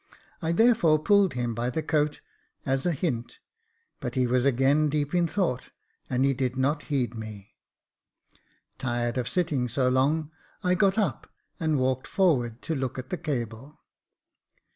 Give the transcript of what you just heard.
I therefore pulled him by the coat as a hint ; but he was again deep in thought, and he did not heed me. Tired of sitting so long, I got up, and walked forward to look at the cable.